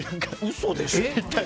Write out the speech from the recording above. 嘘でしょ？